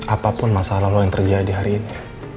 apapun masalah lo yang terjadi hari ini